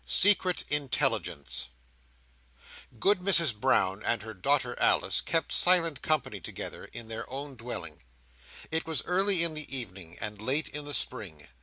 Secret Intelligence Good Mrs Brown and her daughter Alice kept silent company together, in their own dwelling. It was early in the evening, and late in the spring.